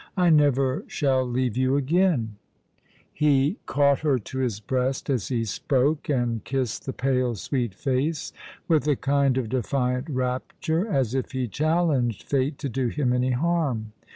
I never shall leave you again." " Look throttgh mine Eyes with thineP 93 He caught lier to his breast as he spoke, and kissed the pale sweet face, with a kind of defiant rapture, as if he challenged Fate to do him any harm.